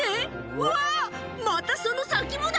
うわっ、また、その先もだ！